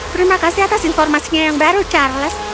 terima kasih atas informasinya yang baru charles